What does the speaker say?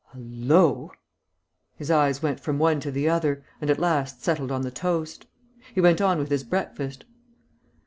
"Hul lo!" His eyes went from one to the other, and at last settled on the toast. He went on with his breakfast.